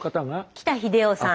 北秀夫さん。